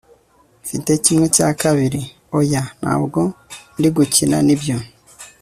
mfite kimwe cya kabiri? oya, ntabwo ndi 'gukina nibyo